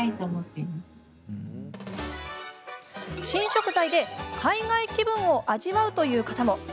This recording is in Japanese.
新食材で海外気分を味わうという方も。